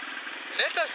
レタス？